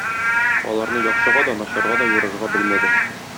Аларны яхшыга да, начарга да юрарга белмәде.